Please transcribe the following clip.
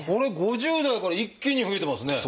５０代から一気に増えてますね。